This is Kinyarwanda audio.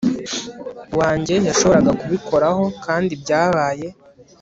wanjye yashoboraga kubikoraho kandi byabaye